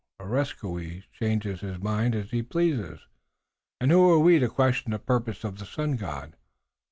Areskoui changes his mind as he pleases. Who are we to question the purposes of the Sun God?